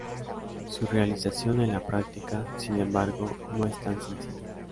Su realización en la práctica, sin embargo, no es tan sencilla.